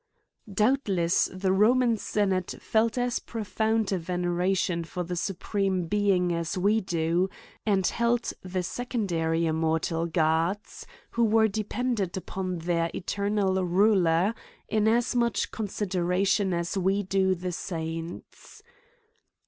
Doubtless the Roman Senate felt as profound a veneration for the Supreme Being as we do ; and held the secondary immortal gods, who were dependent upon their eternal ruler, in as much consideration as we do the saints.